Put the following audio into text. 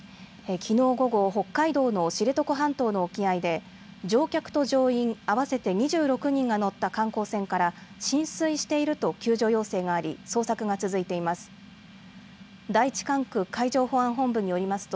きのう午後、北海道の知床半島の沖合で乗客と乗員合わせて２６人が乗った観光船から浸水していると救助要請があり捜索が続いています。